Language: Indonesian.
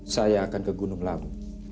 saya akan ke gunung lawu